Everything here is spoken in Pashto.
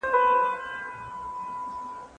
که هټۍ وي نو سودا نه پاتیږي.